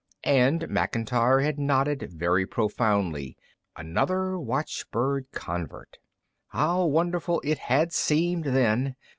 And Macintyre had nodded very profoundly another watchbird convert. How wonderful it had seemed then!